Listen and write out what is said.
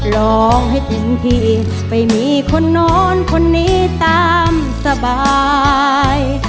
ลองให้เต็มที่ไปมีคนโน่นคนนี้ตามสบาย